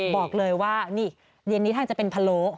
บอกเลยว่านี่เย็นนี้ทางจะเป็นพะโล้